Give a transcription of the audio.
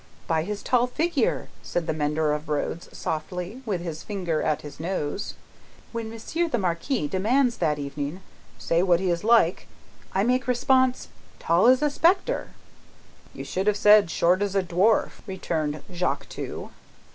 "By his tall figure," said the mender of roads, softly, and with his finger at his nose. "When Monsieur the Marquis demands that evening, 'Say, what is he like?' I make response, 'Tall as a spectre.'" "You should have said, short as a dwarf," returned Jacques Two.